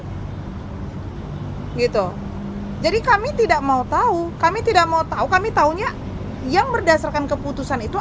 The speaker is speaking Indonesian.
hai gitu jadi kami tidak mau tahu kami tidak mau tahu kami taunya yang berdasarkan keputusan itu